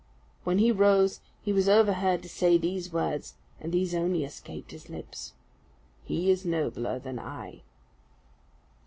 When he rose he was overheard to say these words and these only escaped his lips: "He is nobler than I."